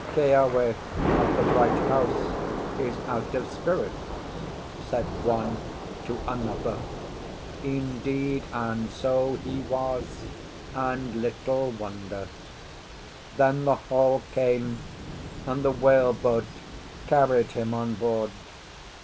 "Keawe of the Bright House is out of spirits," said one to another. Indeed, and so he was, and little wonder. Then the Hall came, and the whaleboat carried him on board.